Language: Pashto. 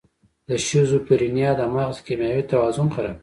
د شیزوفرینیا د مغز کیمیاوي توازن خرابوي.